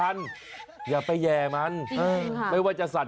วิทยาลัยศาสตร์อัศวิทยาลัยศาสตร์